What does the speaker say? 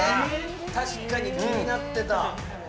確かに気になってた！